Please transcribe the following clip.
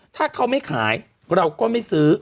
ถ้าเขาไม่ขายเราก็ไม่ซื้อ